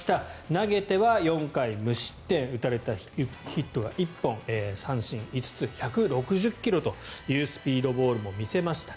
投げては４回無失点打たれたヒットは１本三振５つ１６０ｋｍというスピードボールも見せました。